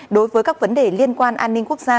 đối với các vấn đề liên quan an ninh quốc gia